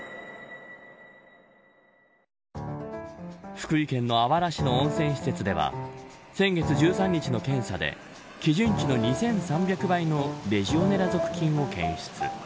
福井県のあわら市の温泉施設では先月１３日の検査で基準値の２３００倍のレジオネラ属菌を検出。